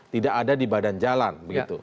tidak ada di badan jalan